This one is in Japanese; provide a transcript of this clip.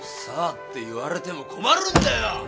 「さあ」って言われても困るんだよ！